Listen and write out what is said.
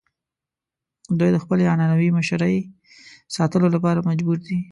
دوی د خپلې عنعنوي مشرۍ ساتلو لپاره مجبور دي.